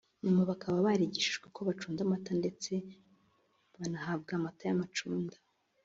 nyuma bakaba barigishijwe uko bacunda amata ndetse banahabwa amata y’amacunda